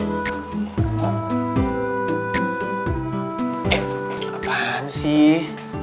sama si prinses charming itu